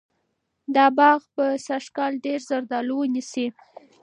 دا باغ به سږکال ډېر زردالو ونیسي.